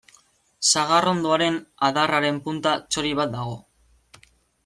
Sagarrondoaren adarraren punta txori bat dago.